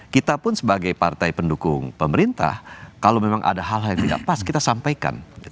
kita pun sebagai partai pendukung pemerintah kalau memang ada hal hal yang tidak pas kita sampaikan